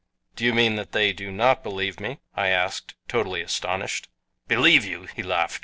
"Do you mean that they do not believe me?" I asked, totally astonished. "Believe you!" he laughed.